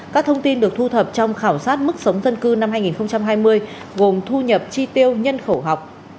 các thông tin được thu thập trong khảo sát mức sống dân cư năm hai nghìn hai mươi gồm thu nhập chi tiêu nhân khẩu học